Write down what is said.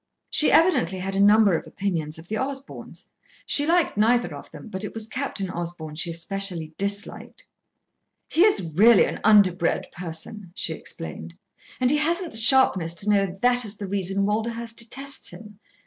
She evidently had a number of opinions of the Osborns. She liked neither of them, but it was Captain Osborn she especially _dis_liked. "He is really an underbred person," she explained, "and he hasn't the sharpness to know that is the reason Walderhurst detests him.